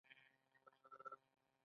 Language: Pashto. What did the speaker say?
دوی هلته لوی شرکتونه او بانکونه جوړوي